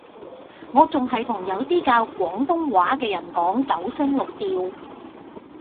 我仲係同有啲教廣東話嘅人講九聲六調